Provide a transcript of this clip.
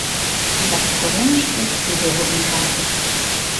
Тарас коремыште пире урмыжалтыш.